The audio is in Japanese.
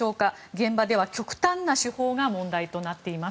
現場では極端な手法が問題となっています。